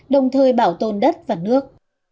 đồng thời bảo tồn đất và nước